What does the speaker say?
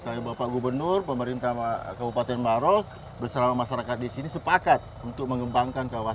saya bapak gubernur pemerintah kabupaten maros bersama masyarakat di sini sepakat untuk mengembangkan kawasan